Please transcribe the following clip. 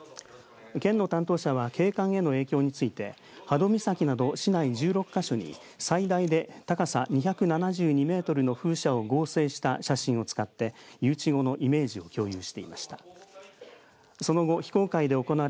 県の担当者は景観への影響について波戸岬など市内１６か所に最大で高さ２７２メートルの風車を合成した写真を使って誘致後のイメージを共有していました。